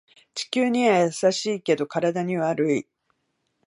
地球には優しいけど体には悪い